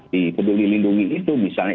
di peduli lindungi itu misalnya